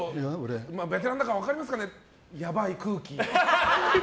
ベテランだから分かりますかね、やばい空気。